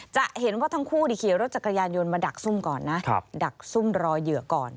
จะเห็นว่าทั้งคู่ขี่รถจักรยานยนต์มาดักซุ่มก่อนนะดักซุ่มรอเหยื่อก่อน